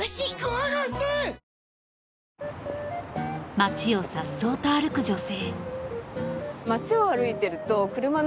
街をさっそうと歩く女性。